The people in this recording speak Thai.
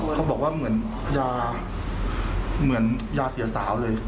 เขาบอกว่าเหมือนยาเหมือนยาเสียสาวเลย